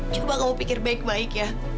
coba kau pikir baik baik ya